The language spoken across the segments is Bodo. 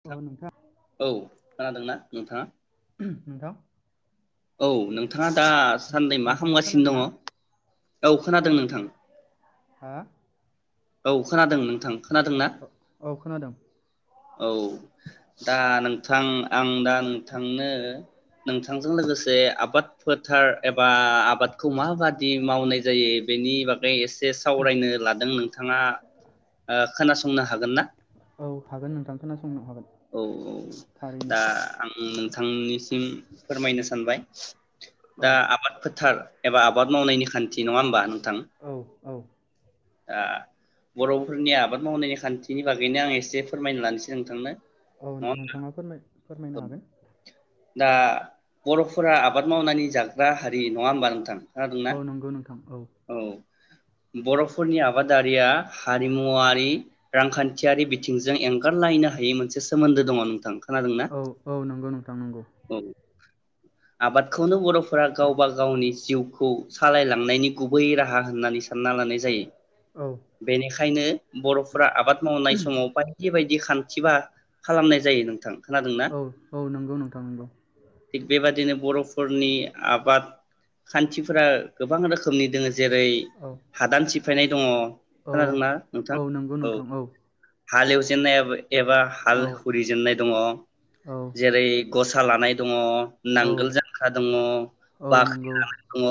अ नोंथां औ खोनादोंना नोंथाङा नोंथां औ नोंथाङा दासान्नै मा नोंथाङा खालामगासिनो खोनादों दङ ना औ खोनादों नोंथां हा औ खोनादों नोंथां खोनादोंना औ खोनादों औ दा नोंथां आं दा नोंथांनो नोंथांजों लोगो से आबाद फोथार एबा आबादखौ माबादि मावनाय जायो बेनि बागै एसे सावरायनो लादों नोंथाङा ओ खोनासंनो हागोन ना औ हागोन नोंथां खोनासंनो हागोन थारैनो उम नोंथांनिसिम फोरमायनो सानबाय [inaudible] औ दा आबाद फोथार एबा आबाद मावनायनि खान्थि थि नङा होनबा औ औ आ बर'फोरनि आबाद मावनायनि खानथिनि बागैनो आं एसे फोरमायना लानोसै नोंथांनो औ नोंथाङा फोरमाय फोरमायनो होमबा? हागोन दा बर'फोरा आबाद मावनानै जाग्रा हारि नङा होमबा नोंथां खोनादोंना औ नंगौ नोंथां औ बर'फोरनि आबादारिया हारिमुवारि रांखानथियारि बिथिंजों एंगारलायनो हायै मोनसे सोमोनदो दङ नोंथां खोनादोंना औ औ नंगौ नोंथां नंगौ औ आबादखौनो बर' फोरा गावबा गावनि जिउखौ सालायलांनायनि गुबै राहा होननानै सानना लानाय जायो औ बेनि खायनो बर'फोरा आबाद मावनाय समाव बायदि बायदि खानथि बा खालामनाय जायो नोंथां। खोनादों ना? औ औ नंगौ नोंथां नंगौ। थिग बेबादिनो बर'फोरनि आबाद खानथिफोरा गोबां रोखोमनि दोङो। जेरै औ हादान सि फायनाय दङ। औ खोनादों ना नोंथां? औ हालेवजेननाय एबा हाल औ जुरि जेननाय दङ। औ जेरै गसा लानाय दङ। औ नांगोल जांख्रा दङ औ बाख्रि नंगौ लानाय दङ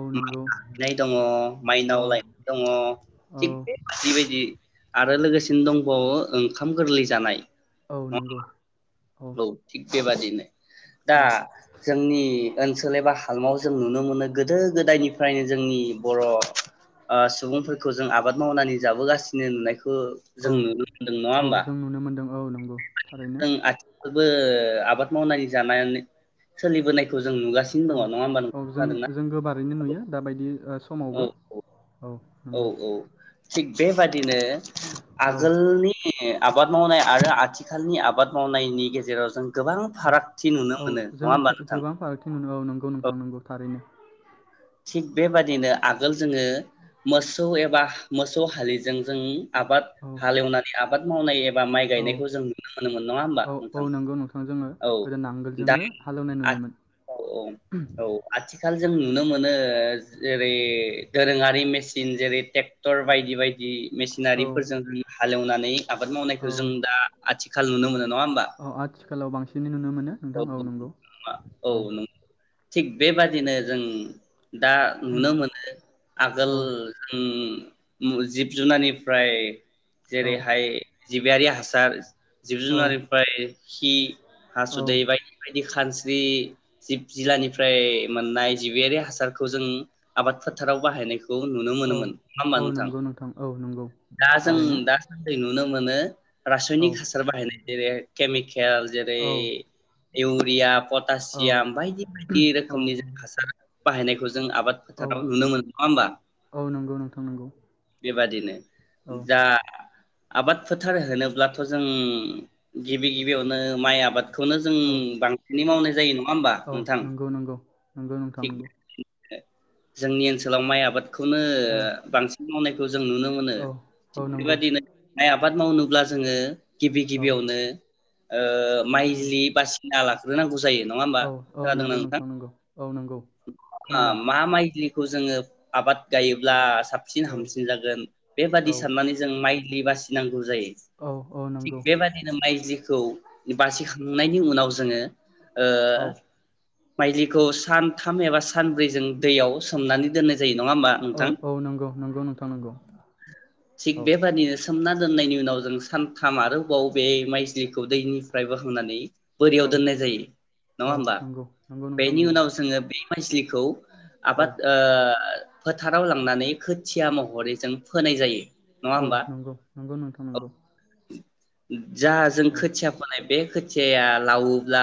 औ माइ नंगौ नायहैनाय दङ औ माइनाव लायनाय दङ औ थिग बेबायदि बायदि आरो लोगोसेनो दंबावो ओंखाम गोरलै जानाय। औ नंगौ। औ थिक बेबादिनो दा औ जोंनि ओनसोल एबा हालामाव जों नुनो मोनो। गोदो गोदायनिफ्रायनो जोंनि बर' ओ सुबुंफोरखौ जों आबाद मावनानै जाबोगासिनो नुनायखौ खौ जों औ नुनो मोनदों नङा औ होमबा जों नुनो मोनदों औ नंगौ थारैनो उम बो आबाद मावनानै जानानै सोलिबोनायखौ जों नुगासिनो दङ औ नङा होमबा नों औ जों खोनादोंना जों गोबारैनो नुयो दाबायदि औ समावबो औ औ नंगौ औ थिग बेबादिनो औ ओ आगोलनि आबाद मावनाय आरो आथिखालनि आबाद मावनायनि गेजेराव जों गोबां फारागथि नुनो औ मोनो नङा जों होमबा नोंथां गोबां फारागथि मोनो औ नंगौ नोंथां नोंगौ थारैनो। थिग बेबादिनो आगोल जोङो मोसौ एबा मोसौ हालिजों जों आबाद औ हालेवनानै आबाद मावनाय एबा माइ औ गायनायखौ जों नुनो मोनोमोन नङा होमबा औ औ नोंथां? नंगौ नोंथां जोङो औ गोदो दा नांगोलजोंनो हालेवनाय नुयोमोन औ औ औ आथि खाल जों नुनो मो नो। जेरै दोरोङारि मेसिन जेरै ट्रेक्टर बायदि बायदि औ मेसिनारिफोरजों होन हालेवनानै आबाद मावनायखौ जों दा आथिख सा लुनो मोनो नङा होमबा अ आथिखालाव बांसि [unintelligible] नो मोनो नोंथां औ नंगौ औ। थिग बेबादिनो जों दा नुनो मोनो आगोल औ जों मु जिब जुनारनिफ्राय औ जेरैहाय जिबियारि हासार जिब औ जुनारिफाय खि औ दैबायदि बाय दि खानस्रि जिब जिल्लानिफ्राय मोननाय जिबियारि हासारखौ जों आबाद फोथाराव बाहायनाय खौ नुनो औ मोनोमोन नङा होनबा औ नोंथां नंगौ औ नंगौ दा जों थारैनो दा सानदै नु नो मानो। औ रासायनिक हासार बाहायनाय जेरैहाय केमिक खेल जेरै औ इउरिया औ पटासियाम बायदि औ बायदि रोखोमनि जों हासार बाहायनायखौ जों आबाद औ फोथाराव नुनो मोनो नङा होमबा। औ नंगौ नोंथां नंगौ बेबादिनो औ जा आबाद फोथार होनोब्लाथ जों गिबि गिबियावनो माइ आबाद खौनो जों औ बांसिनै मावनाय जायो नङा होमबा ओ औ नोंथां नंगौ नंगौ नंगौ नोंथां थिग नंगौ जोंनि ओनसोलाव माइ आबाद खौनो औ ओ बांसिन मावनाय जों नुनो मोनो औ औ थिग नंगौ बेबायदिनो माइ आबाद मावनो ब्ला जोङो गिबि औ गिबियावनो ओ बि बास [unintelligible] ना लाग्रोनांगौ जायो नङा होमबा औ औ खोनादों ना नंगौ नोंथां नंगौ औ नंगौ खोनादों मा माइज्लि बखौ जोङो आबाद गायोब्ला साबसिन औ हामसिन जागोन बेबादि औ साननानै जों माइ लि बासिनांगौ जायो औ औ थिग नंगौ बेबादिनो माइ जिखौ बासि खांनायनि उनाव जोङो ओ औ माइज्लिखौ सान थाम एबा सानब्रै जों दैयाव सोमनानै दोननाय जायो नङा होनबा औ नोंथां औ नंगौ नंगौ नोंथां नंगौ थिग औ बेबादिनो सोमना दोननायनि उनाव जों सानथाम आरोबाव बे माइजलिखौ दैनिफ्राय बो होनानै बोरियाव औ दोननाय जायो नङा औ होमबा नंगौ नंगौ नोंथां बेनि नंगौ उनाव जोङो बे माइस्लिखौ औ आबाद ओ फोथाराव लांनानै खोथिया महरै जों फोनाय जायो नङा औ होमबा नंगौ नंगौ नोंथां नंगौ जा जों औ खोथिया फोनाय बे खोथियाया लावोब्ला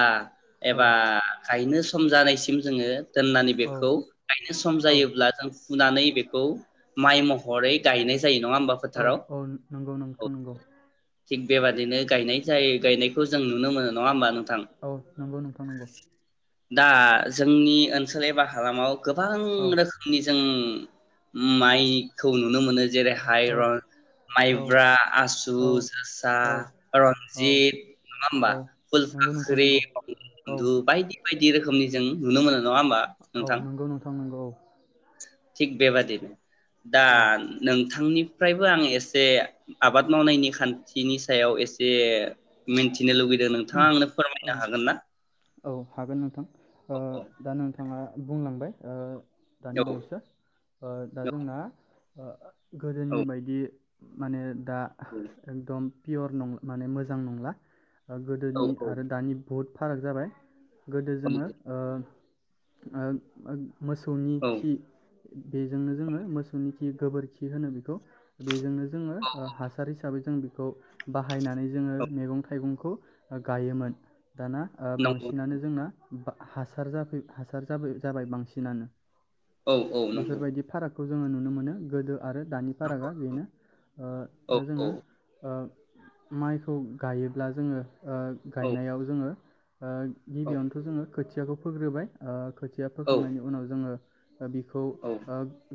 औ एबा गायनो सम जानायसिम जोङो दोननानै औ बेखौ गायनो सम औ जायोब्ला जों फुनानै बेखौ माइ महरै गायनाय जायो नङा होमबा औ फोथाराव औ नंगौ औ नोंथां नंगौ थिग बेबादिनो गायनाय जायो गायनाय खौ जों नुनो मोनो नङा होमबा नोंथां औ नंगौ नोंथां नंगौ दा जोंनि ओनसोल एबा हालामाव गोबां औ रोखोमनि जों माइखौ नु नुनो मोनो जेरैहाय औ औ माइब्रा आसु औ जोसा औ रनजित नङा होनोमबा औ फुल नंगौ नोंथां नंगौ औ [unintelligible] बायदि बायदि रोखोमनि जों नुनो मोनो नङा होमबा औ नोंथां नंगौ नोंथां नंगौ थिक बेबादिनो दा औ नों नोंथांनिफ्रायबो आं एसे आबाद मावनायनि खान्थिनि सायाव एसे मिथिनो लुबैदों औ हागोन नोंथां ओ औ औ दा नोंथां बिथाङा बुंलांबाय ओ दानि औ बावैसो ओ दा जोंना ओ औ गोदोनि बायदि माने दा एकदम पियर नं माने मोजां नंला गोदोनि औ औ आरो दानि बहुद फाराग जाबाय गोदो औ जोङो ओ आ मोसौनि औ खि बेजोंनो जोङो मोसौनि खि गोबोरखि होनो बेखौ बेजोंनो जोङो हासार हिसाबै जों बेखौ बाहायनानै जोङो औ मैगं थाइगंखौ गायोमोन दाना ओ नंगौ बांसिनानो जोंना हासार जाफै हासार जाबाय बांसिनानो औ औ नंगौ खौ जोङो नुनो मोनो गोदो आरो दानि फारागा नंगौ बेनो औ दा औ जोङो माइखौ गायोब्ला जोङो ओ औ गायनायाव जोङो ओ औ गिबियावनोथ' जोङो खोथियाखौ फोग्रोबाय खोथिया फोखांनायनि उनाव जोङो बिखौ औ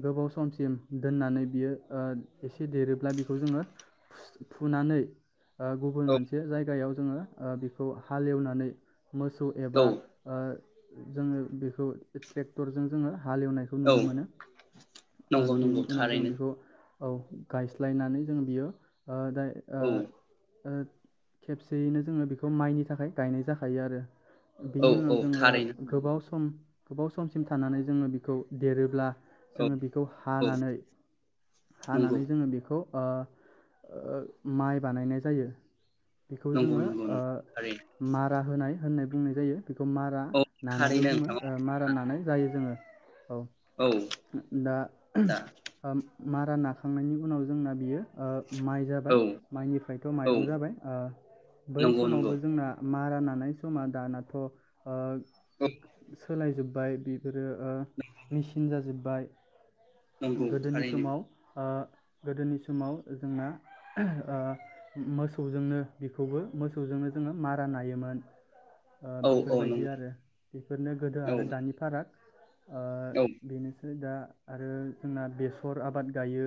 गोबाव सम समसिम दोननानै बियो ओ एसे देरोब्ला बिखौ जोङो फुनानै ओ‌ गुबुन मोनसे जायगायाव जोङो बेखौ हालेवनानै मोसौ औ एबा ओ जोङो बेखौ ट्रेक्टरजों जोङो हालेवनायखौ औ नुनो मोनो। नंगौ बेनि नंगौ उनाव जों थारैनो बेखौ औ गायस्लायनानै जों बियो ओ दा ओ औ ओ ओ खेबसे थियैनो जोङो बेखौ माइनि थाखाय गायनाय जाखायो आरो। औ बिनि औ उनाव जोङो थारैनो गोबाव सम गोबाव समसिम थानानै जोङो बेखौ देरोब्ला औ जोङो बेखौ औ हानानै नंगौ हानानै जोङो बेखौ ओ ओ माइ बानायनाय जायो। बेखौ नंगौ जोङो नंगौ नंगौ थारैनो ओ मारा होनाय होननाय बुंनाय जायो। बेखौ मारा औ नानायबो थारैनो बुङो नोंथां ओ मारा नानाय जायो जोङो। औ दा दा ओम मारा नाखांनायनि उनाव जोंना बियो ओ माइ औ जाबाय माइनिफ्रायथ औ माइरं जाबाय। बै नंगौ नंगौ समावबो जोंना मारा नानाय समा दानाथ ओ औ औ [unintelligible] सोलायजोबबाय बि बिसोरो ओ मेसिन जाजोब बाय। नंगौ गोदोनि थारैनो समाव ओ गोदोनि समाव जोंना ओ मोसौजोंनो बेखौबो मोसौजोंनो जोङो मारा नायोमोन। ओ औ बेफोर औ बायदि नंगौ आरो बेफोरनो गोदो औ आरो दानि फाराग। ओ औ बेनोसै दा आरो जोंना बेसर आबाद गायो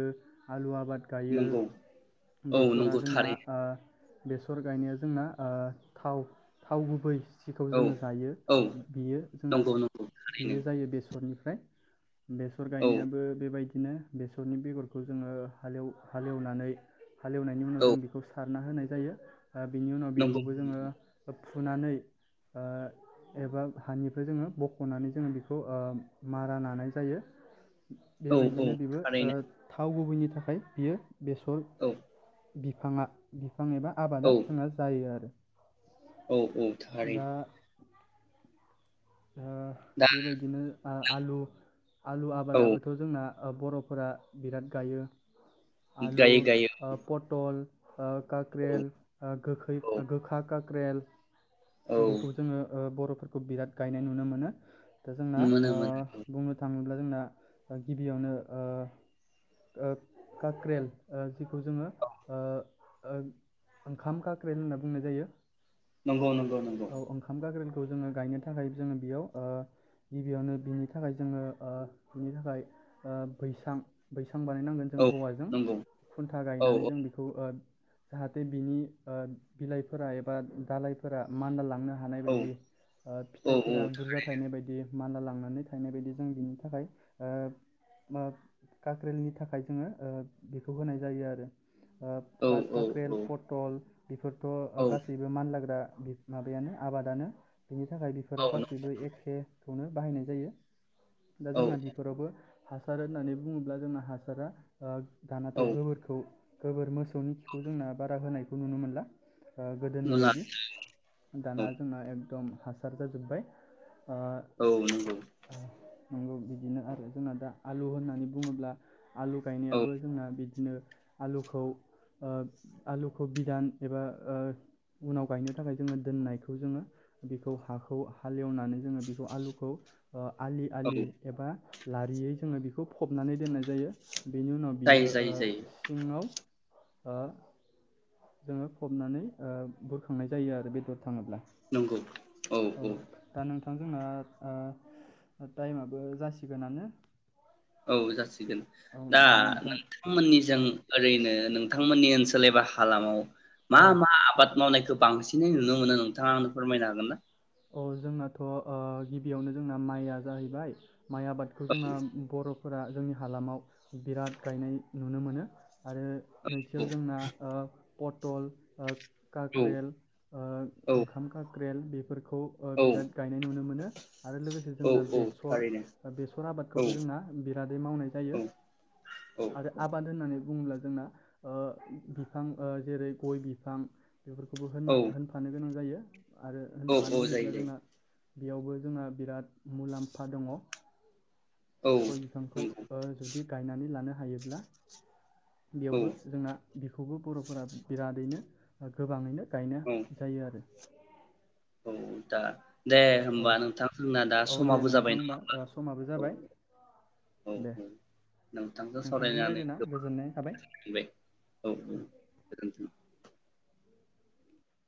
आलु आबाद गायो नंगौ औ बेसरा नंगौ जोंना थारैनो ओ बेसर गायनाया जोंना ओ थाव थाव गुबै बिखौ औ जोङो जायो। औ बियो जोंना नंगौ नंगौ थारैनो बियो जायो बेसरनिफ्राय। ओमफ्राय बेसर औ गायनायाबो बेबाय बिदिनो बेसरनि बेगरखौ जोङो हालेव हालेवनानै हालेवनायनि औ उनाव जों बेखौ सार ना होनाय जायो आरो बिनि उनाव बिखौबो नंगौ जोङो फुनानै ओ एबा हानिफ्राय जोङो बख'नानै जोङो बेखौ मारा लानाय जायो औ औ बेबायदिनो बेबो ओ थारैनो थाव गुबैनि नि थाखाय बियो बेसर औ बिफाङा बिफां एबा औ आबादा जोंना जायो आरो औ औ थारै दा दा बेबायदिनो आलु आलु औ आबादाबोथ' जोंना बर'फोरा बिराद गायो आलु गायै गायै पटल ओ औ कक्रेल गोखै, औ गोखा कक्रेल औ बेखौ जोङो ओ बर' फोरखौ बिराद गायनाय नुनो मोनो दा जोंना मोनो ओ मोनो औ बुंनो थाङोब्ला जोंना गिबियावनो ओ ओ काक्रेल ओ जिखौ जोङो ओ ओ ओंखाम काक्रेल होनना बुंनाय जायो नंगौ नंगौ नंगौ खौ जोङो गायनो थाखाय जोङो बेयाव ओ गिबियावनो बिनि थाखाय जोङो ओ बिनि थाखाय ओ बैसां बैसा आं बानायनांगोन जों औ औवाजों नंगौ खुन्था औ गायनानै जों बेखौ ओ जाहाथे बिनि ओ बिलाइफोरा एबा दालइफोरा मानला लांनो हानाय औ बायदि ओ औ फिथाइफोरा बुरजा थायनाय बायदि मानला लांनानै थायनाय बायदि जों बिनि थाखाय ओ काख्रेलनि थाखाय जोङो ओ बेखौ होनाय जायो आरो ओ औ भखथ औ खाख्रेल औ पटल बेफोरथ' ओ औ गासैबो मानलाग्रा बि माबायानो आबादानो बिनि थाखाय बिफोराव औ न- गासिबो एखे खौनो बाहायनाय जायो दा औ जोंना बिफोरावबो हासार होननानै बुङोब्ला जोंना हासारा ओ दानाथ' औ गोबोरखौ गोबोर मोसौनि खिखौ जोंना बारा होनायखौ नुनो मोनला ओ गोदोनि नुला बायदि औ दाना जोंना एकदम हासार जाजोब्बाय औ नोंगौ नोंगौ बिदिनो आरो जोंना दा आलु होननानै बुङोब्ला आलु औ गायनायाबो जोंना बि बिदिनो आलुखौ ओ आलुखौ बिदान एबा ओ उनाव गायनो थाखाय जोङो दोननायखौ जोङो बेखौ हाखौ हालेवनानै जोङो बेखौ आलुखौ ओ आलि औ आलि एबा लारियै जोङो बिखौ फबनानै दोननाय जायो बेनि उनाव जायो बियो ओ जायो जायो सिङाव ओ जोङो फबनानै ओ बुरखांनाय जायो आरो बेदर थाङोब्ला नोंगौ औ औ थां जोंना ओ टाइमाबो जासिगोनानो औ जासि गोन औ दा नोंथां नोंथांमोननिजों औ ओरैनो नों नोंथांमोननि ओनसोल एबा हालामाव मा औ मा आबाद मावनायखो बांसिनै नुनो मोनो नोंथाङा आंनो फोरमायनो हागोन ना? अ' जोंनाथ' ओ गिबियावनो जोंना माइआ जाहैबाय माइ आबादखौ जोंना औ बर'फोरा जोंनि हालामाव बिराद गायनाय नुनो मोनो आरो नैथियाव जोंना ओ पटल ओ औ काक्रेल ओ औ ओंखाम का क्रेल बि खौ ओ औ बिराद गायनाय नुनो मोनो आरो लोगोसे औ जोंना औ बेसर थारैनो बेसर औ आबादखौबो जोंना बिरादै मावनाय जायो औ औ आरो आबाद होननानै बुङोब्ला जोंना ओ बिफां ओ जेरै गय बिफां बेफोरखौबो होनना औ होनफानो गोनां जायो आरो औ मानो औ जायो होनोब्ला जायो जोंना बेयावबो जोंहा बिराद मुलाम्फा दङ औ गय बिफांखौ नंगौ ओ जुदि गायनानै लानो हायोब्ला औ बेयावबो जोंना बेखौबो बर'फोरा बिरादैनो गोबाङैनो गायनो औ जायो आरो ए [inaudible] औ दा दे होमबा नोंथां आंना दा औ दे समाबो नोंथां जाबाय नङा होमबा ओ समाबो जाबाय औ औ दे औ नोंथांजों सावरायनानै रायज्लायना गोजोननाय थाबाय गोबां औ औ गोजोनथों